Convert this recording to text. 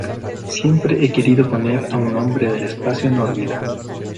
Siempre he querido poner a un hombre del espacio en órbita.